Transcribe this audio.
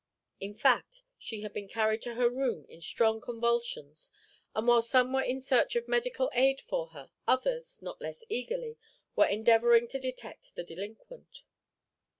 In fact, she had been carried to her room in strong convulsions; and while some were in search of medical aid for her, others, not less eagerly, were endeavoring to detect the delinquent.